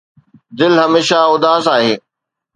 دل هميشه اداس آهي